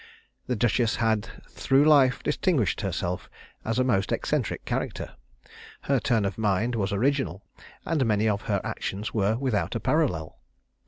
The duchess had through life distinguished herself as a most eccentric character. Her turn of mind was original, and many of her actions were without a parallel.